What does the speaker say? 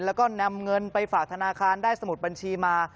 แล้วก็นำเงินไปฝากธนาคารได้สมุดบัญชีมา